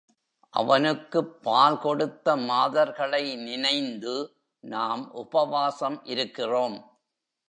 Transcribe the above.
அவனுக்குப் பால் கொடுத்த மாதர்களை நினைந்து நாம் உபவாசம் இருக்கிறோம்.